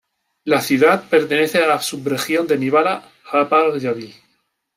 La ciudad pertenece a la subregión de Nivala–Haapajärvi.